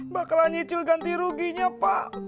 bakal nyicil ganti ruginya pak